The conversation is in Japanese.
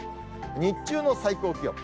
日中の最高気温。